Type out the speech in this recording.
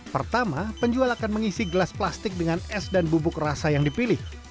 pertama penjual akan mengisi gelas plastik dengan es dan bubuk rasa yang dipilih